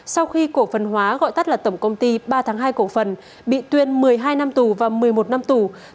sau khi cổ phần hóa gọi tắt là tổng công ty ba tháng hai cổ phần bị tuyên một mươi hai năm tù và một mươi một năm tù